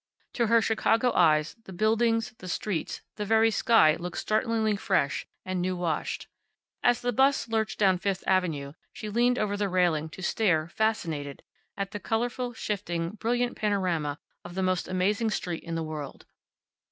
To her Chicago eyes the buildings, the streets, the very sky looked startlingly fresh and new washed. As the 'bus lurched down Fifth avenue she leaned over the railing to stare, fascinated, at the colorful, shifting, brilliant panorama of the most amazing street in the world.